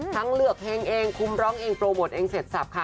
เลือกเพลงเองคุมร้องเองโปรโมทเองเสร็จสับค่ะ